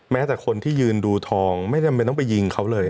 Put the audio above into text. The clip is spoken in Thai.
แต่คนที่ยืนดูทองไม่จำเป็นต้องไปยิงเขาเลย